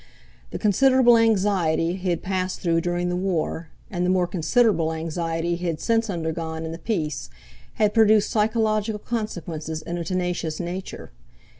The considerable anxiety he had passed through during the War, and the more considerable anxiety he had since undergone in the Peace, had produced psychological consequences in a tenacious nature.